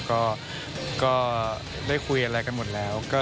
ก็ได้คุยอะไรกันหมดแล้ว